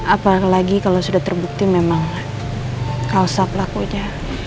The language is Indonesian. apalagi kalau sudah terbukti memang kaos aplakunya